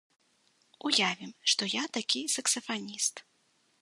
Уявім, што я такі саксафаніст.